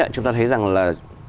chúng ta thấy rằng là